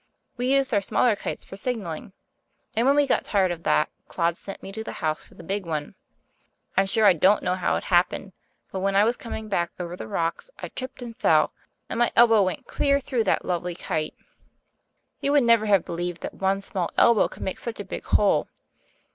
We used our smaller kites for signalling, and when we got tired of that Claude sent me to the house for the big one. I'm sure I don't know how it happened, but when I was coming back over the rocks I tripped and fell, and my elbow went clear through that lovely kite. You would never have believed that one small elbow could make such a big hole.